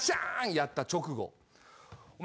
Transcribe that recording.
やった直後お前